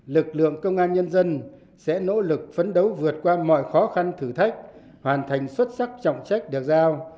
lực lượng công an nhân dân sẽ nỗ lực phấn đấu vượt qua mọi khó khăn thử thách hoàn thành xuất sắc trọng trách được giao